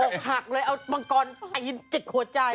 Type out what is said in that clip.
อกหักเลยเอามังกรจิกหัวใจ